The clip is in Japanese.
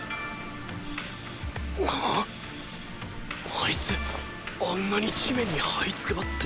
あいつあんなに地面に這いつくばって